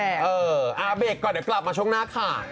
เบรกก่อนเดี๋ยวกลับมาช่วงหน้าค่ะ